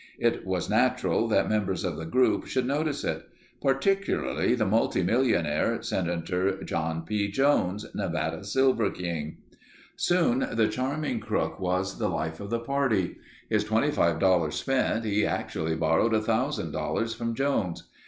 It was natural that members of the group should notice it. Particularly the multimillionaire, Senator John P. Jones, Nevada silver king. Soon the charming crook was the life of the party. His $25 spent, he actually borrowed $1000 from Jones.